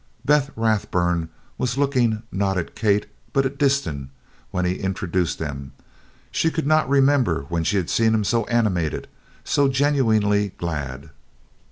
Beth Rathburn was looking, not at Kate, but at Disston, when he introduced them; she could not remember when she had seen him so animated, so genuinely glad.